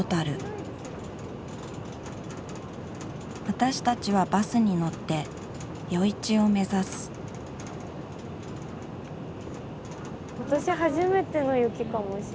私たちはバスに乗って余市を目指す今年初めての雪かもしれない。